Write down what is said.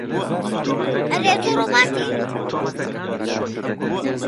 لەکاتێکدا دەسەڵاتێکی سەربەخۆی تەواوی هەیە